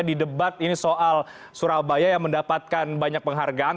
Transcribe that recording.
di debat ini soal surabaya yang mendapatkan banyak penghargaan